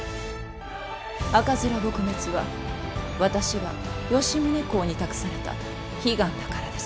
赤面撲滅は私が吉宗公に託された悲願だからです。